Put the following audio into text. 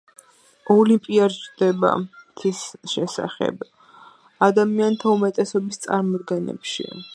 ოლიმპი არ ჯდება მთის შესახებ ადამიანთა უმეტესობის წარმოდგენებში.